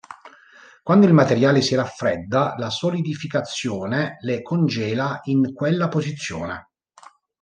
Quando il materiale si raffredda, la solidificazione le "congela" in quella posizione.